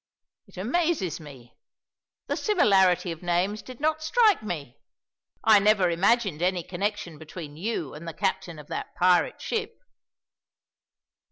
It amazes me! The similarity of names did not strike me; I never imagined any connection between you and the captain of that pirate ship."